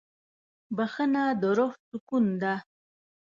بښنه د روح سکون ده.